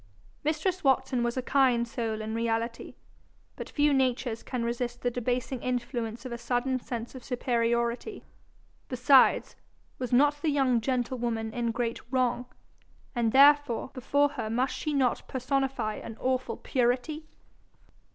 Mistress Watson was a kind soul in reality, but few natures can resist the debasing influence of a sudden sense of superiority. Besides, was not the young gentlewoman in great wrong, and therefore before her must she not personify an awful Purity?